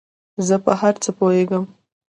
زۀ په هر څه پوهېږم